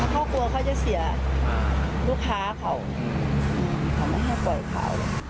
เขากลัวเขาจะเสียลูกค้าเขาอืมอืมเขาไม่ให้ปล่อยข่าวอยู่